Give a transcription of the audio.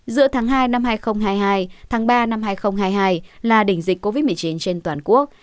giữa tháng hai năm hai nghìn hai mươi hai tháng ba năm hai nghìn hai mươi hai là đỉnh dịch covid một mươi chín trên toàn quốc